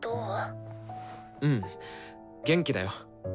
うん元気だよ。